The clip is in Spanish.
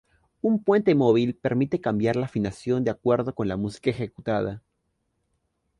Un puente móvil permite cambiar la afinación de acuerdo con la música ejecutada.